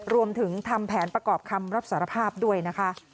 ทำแผนประกอบคำรับสารภาพด้วยนะคะ